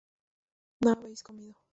No habréis comido